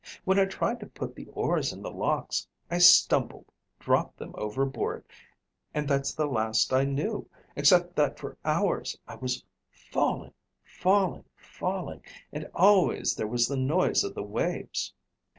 When I tried to put the oars in the locks I stumbled, dropped them overboard and that's the last I knew, except that for hours I was falling, falling, falling, and always there was the noise of the waves."